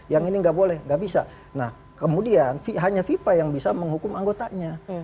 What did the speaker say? yang ini nggak boleh nggak bisa nah kemudian hanya fifa yang bisa menghukum anggotanya